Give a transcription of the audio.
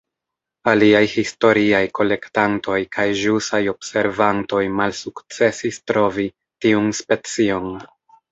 Aliaj historiaj kolektantoj kaj ĵusaj observantoj malsukcesis trovi tiun specion.